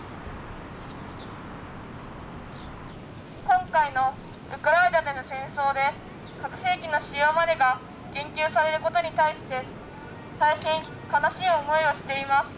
今回のウクライナでの戦争で核兵器の使用までが言及されることに対して大変悲しい思いをしています。